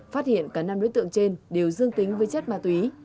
phát hiện cả năm đối tượng trên đều dương tính với chất ma túy